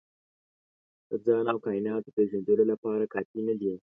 د ځان او کایناتو پېژندلو لپاره کافي نه دي.